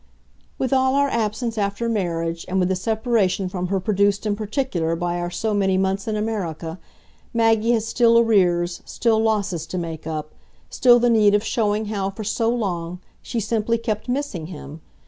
"With all our absence after marriage, and with the separation from her produced in particular by our so many months in America, Maggie has still arrears, still losses to make up still the need of showing how, for so long, she simply kept missing him.